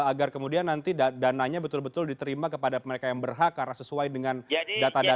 agar kemudian nanti dananya betul betul diterima kepada mereka yang berhak karena sesuai dengan data data